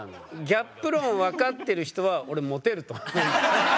ギャップ論分かってる人は俺モテると思う。